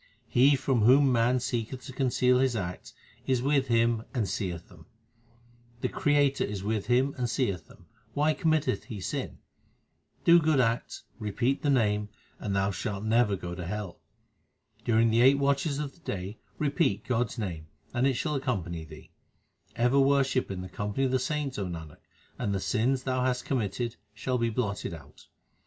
He from whom man seeketh to conceal his acts is with him and seeth them : The Creator is with him and seeth them ; why com mitteth he sin ? Do good acts, repeat the Name, and thou shalt never go to hell. 1 When hunters are out and snares are laid. HYMNS OF GURU ARJAN 327 During the eight watches of the day repeat God s name, and it shall accompany thee. Ever worship in the company of the saints, O Nanak, and the sins thou hast committed shall be blotted out.